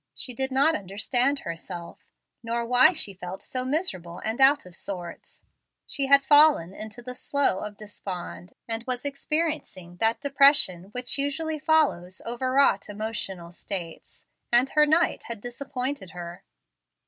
She did not understand herself; nor why she felt so miserable and out of sorts. She had fallen into the "Slough of Despond," and was experiencing that depression which usually follows overwrought emotional states, and her knight had disappointed her.